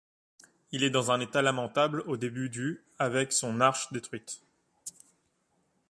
Il est dans un état lamentable au début du avec son arche détruite.